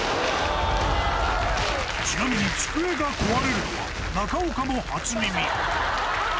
ちなみに机が壊れるのは、中岡も初耳。